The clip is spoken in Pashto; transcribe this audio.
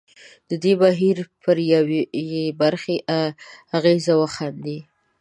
د دې بهیر پر یوې برخې اغېز وښندي.